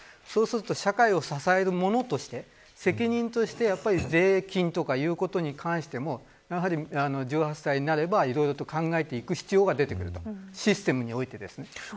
そうすると社会を支える者として責任として税金とかいうことに関してもやはり１８歳になればいろいろと考えていく必要が出てくるシステムにおいてですね。